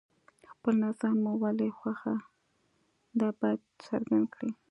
خپل نظر مو ولې خوښه ده باید څرګند کړئ.